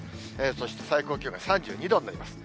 そして最高気温が３２度になります。